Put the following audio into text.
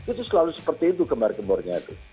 itu selalu seperti itu gemar gembornya itu